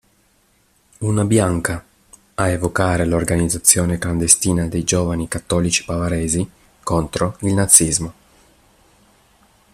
Una bianca, a evocare l'organizzazione clandestina dei giovani cattolici bavaresi contro il nazismo.